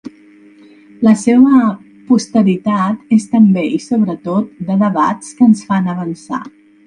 La seua posteritat és també i sobretot de debats que ens fan avançar.